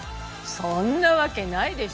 そんなわけないでしょ。